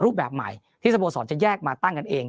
รูปแบบใหม่ที่สโมสรจะแยกมาตั้งกันเอง